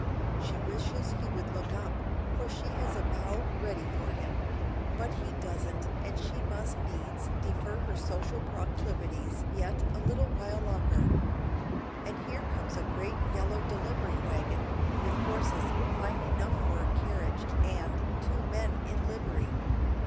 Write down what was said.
She wishes he would look up, for she has a bow ready for him; but he doesn't, and she must needs defer her social proclivities yet a little while longer. And here comes a great yellow delivery wagon, with horses fine enough for a carriage and two men in livery.